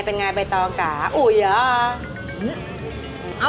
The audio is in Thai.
เป็นไงไอ้ไปต่ออากาศอุยำ